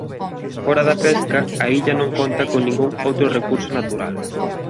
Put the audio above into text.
Fóra da pesca a illa non conta con ningún outro recurso natural.